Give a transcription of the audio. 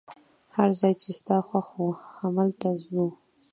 هر ځای چي ستا خوښ وو، همالته ځو.